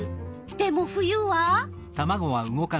でも冬は？